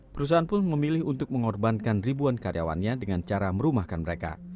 perusahaan pun memilih untuk mengorbankan ribuan karyawannya dengan cara merumahkan mereka